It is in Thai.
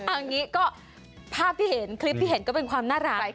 อันนี้ก็คลิปที่เห็นก็เป็นความน่ารัก